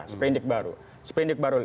sprindik baru sprindik baru